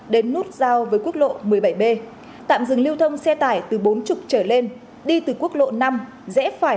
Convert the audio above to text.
đến nút giao với quốc lộ một mươi bảy b tạm dừng lưu thông xe tải từ bốn mươi trở lên đi từ quốc lộ năm rẽ phải